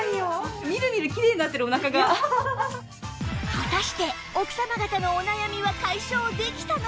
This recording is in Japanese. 果たして奥様方のお悩みは解消できたのか？